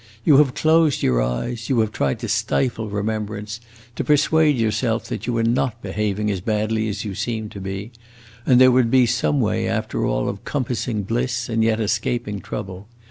You have closed your eyes; you have tried to stifle remembrance, to persuade yourself that you were not behaving as badly as you seemed to be, and there would be some way, after all, of compassing bliss and yet escaping trouble.